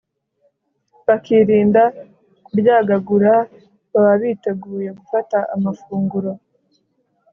bakirinda kuryagagura baba biteguye gufata amafunguro